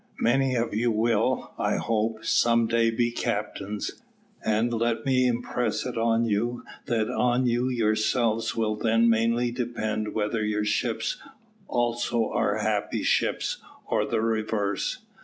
Many of you will, I hope, some day be captains; and let me impress it on you that on you yourselves will then mainly depend whether your ships also are happy ships or the reverse.